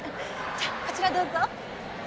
じゃあこちらどうぞ。